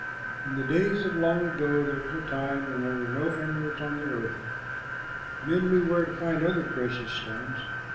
In the days of long ago there was a time when there were no emeralds on the earth. Men knew where to find other precious stones.